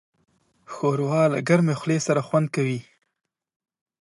ښوروا له ګرمې خولې سره خوند کوي.